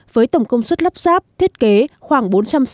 với tổng công suất lắp ráp thiết kế khoảng bốn trăm linh